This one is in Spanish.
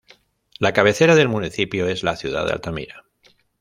La cabecera del municipio es la ciudad de Altamira.